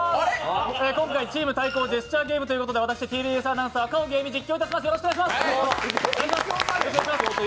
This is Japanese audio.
今日、チーム対抗ジェスチャーゲームということで私、ＴＢＳアナウンサー・赤荻歩、実況します。